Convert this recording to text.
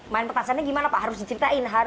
main petasannya gimana pak harus diceritain